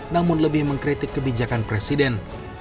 namun lebih mengkritik kebijakan presiden